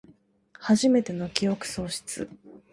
はじめての記憶喪失